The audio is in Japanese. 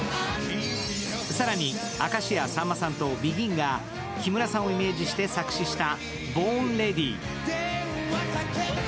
更に、明石家さんまさんとＢＥＧＩＮが木村さんをイメージして作詞した「Ｂｏｒｎｒｅａｄｙ」。